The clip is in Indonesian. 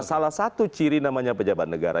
salah satu ciri namanya pejabat negara